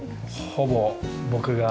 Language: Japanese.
ほぼ僕が。